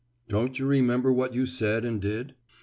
"Don't you remember what you said and did?"